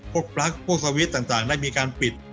พวกพลักษณ์พวกสวิตซ์ต่างได้มีการปิด